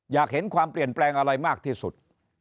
อยากเห็นความเปลี่ยนแปลงอะไรมากที่สุด